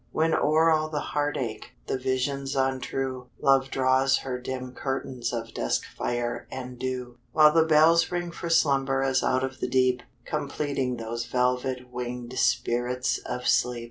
When o'er all the heartache, The visions untrue, Love draws her dim curtains Of duskfire and dew. While the bells ring for slumber As out of the deep, Come pleading those velvet winged Spirits of sleep.